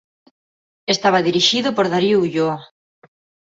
Estaba dirixido por Darío Ulloa.